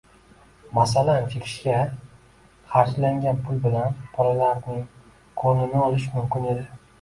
Masalan, chekishga xarjlangan pul bilan bolalarning ko'nglini olish mumkin edi.